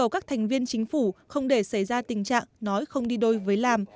các thành viên chính phủ không để xảy ra tình trạng nói không đi đôi với làm